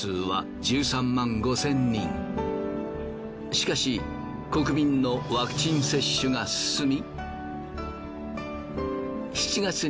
しかし国民のワクチン接種が進み。